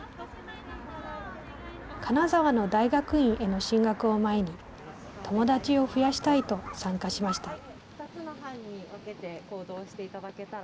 金沢の大学院への進学を前に友達を増やしたいと参加しました。